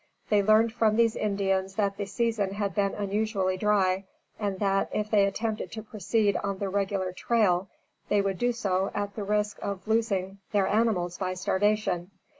They learned from these Indians that the season had been unusually dry, and that, if they attempted to proceed on the regular trail, they would do so at the risk of losing their animals by starvation.